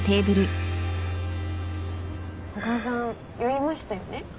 古賀さん酔いましたよね？